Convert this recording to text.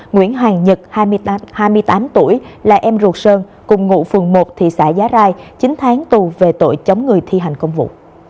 nguyễn hoàng nhật hai mươi tám tuổi là em ruột sơn cùng ngụ phường một thị xã giá rai chín tháng tù về tội chống người thi hành công vụ